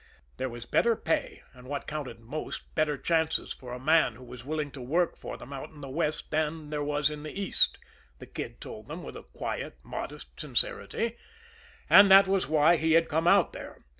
There was better pay, and, what counted most, better chances for a man who was willing to work for them out in the West than there was in the East, the Kid told them with a quiet, modest sincerity and that was why he had come out there.